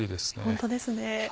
ホントですね。